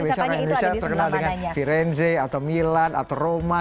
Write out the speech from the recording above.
biasanya orang indonesia terkenal dengan firenze milan roma